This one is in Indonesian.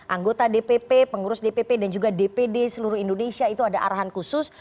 anggota dpp pengurus dpp dan juga dpd seluruh indonesia itu ada arahan khusus